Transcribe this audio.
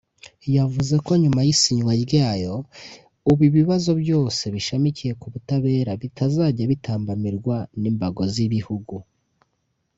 yavuze ko nyuma y’isinywa ryayo ubu ibibazo byose bishamikiye ku butabera bitazajya bitambamirwa n’imbago z’ibihugu